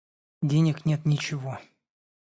Денег нет ничего.